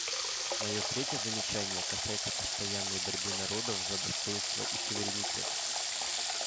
Мое третье замечание касается постоянной борьбы народов за достоинство и суверенитет.